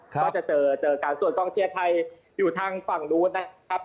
ก็จะเจอเจอกันส่วนกองเชียร์ไทยอยู่ทางฝั่งนู้นนะครับ